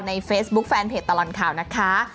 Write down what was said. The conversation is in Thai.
เฟซบุ๊คแฟนเพจตลอดข่าวนะคะ